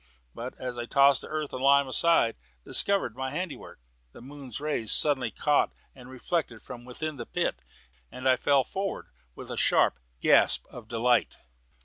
But as I tossed the earth and lime aside, and discovered my handiwork, the moon's rays were suddenly caught and reflected from within the pit, and I fell forward with a short gasp of delight.